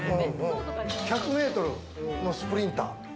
１００ｍのスプリンター？